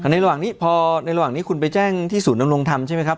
ในระหว่างนี้พอในระหว่างนี้คุณไปแจ้งที่ศูนย์ดำรงธรรมใช่ไหมครับ